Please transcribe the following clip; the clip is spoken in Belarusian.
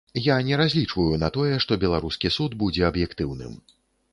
Я не разлічваю на тое, што беларускі суд будзе аб'ектыўным.